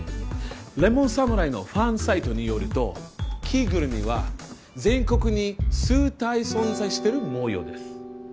レモン侍のファンサイトによると着ぐるみは全国に数体存在している模様です。